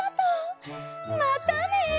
またね。